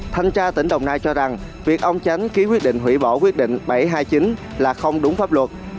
thanh tra tỉnh đồng nai cho rằng việc ông chánh ký quyết định hủy bỏ quyết định bảy trăm hai mươi chín là không đúng pháp luật